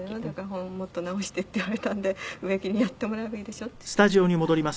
「“本をもっと直して”って言われたんで“植木にやってもらえばいいでしょ”って言っちゃった」